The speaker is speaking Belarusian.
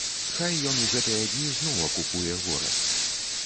Хай ён у гэтыя дні зноў акупуе горад.